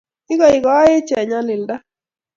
Igoigo-ech eng' nyalilda,